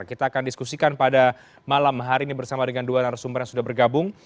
kita akan diskusikan pada malam hari ini bersama dengan dua narasumber yang sudah bergabung